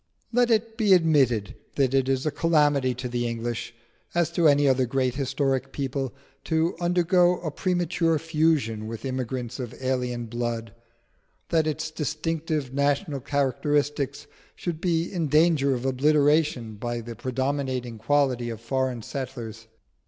Let it be admitted that it is a calamity to the English, as to any other great historic people, to undergo a premature fusion with immigrants of alien blood; that its distinctive national characteristics should be in danger of obliteration by the predominating quality of foreign settlers.